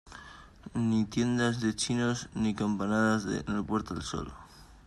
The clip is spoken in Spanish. ni tiendas de chinos, ni campanadas en la Puerta del Sol